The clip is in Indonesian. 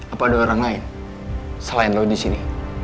apa ada orang lain selain lo disini